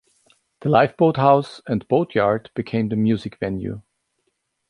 The lifeboat house and boat yard became the music venue.